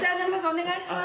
お願いします。